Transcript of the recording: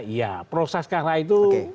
ya proses karena itu